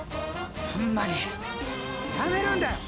ホンマにやめるんだよ